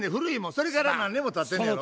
それから何年もたってんのやろ？